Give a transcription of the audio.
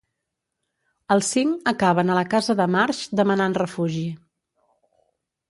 Els cinc acaben a la casa de Marsh, demanant refugi.